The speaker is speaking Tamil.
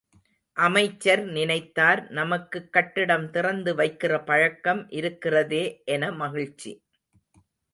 அமைச்சர் நினைத்தார், நமக்குக் கட்டிடம் திறந்து வைக்கிற பழக்கம் இருக்கிறதே என மகிழ்ச்சி.